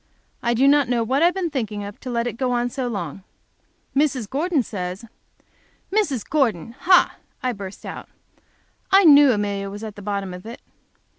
I do not know what I have been thinking of to let it go on so long. Mrs. Gordon says " "Mrs. Gordon! Ha!" I burst out, "I knew Amelia was at the bottom of it!